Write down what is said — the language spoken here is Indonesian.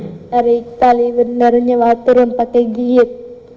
tarik tali bener bener nyewa turun pakai gigit